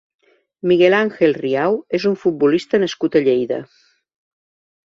Miguel Ángel Riau és un futbolista nascut a Lleida.